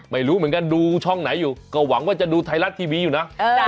ไม่รู้เหมือนกันดูช่องไหนอยู่ก็หวังว่าจะดูไทยรัฐทีวีอยู่นะ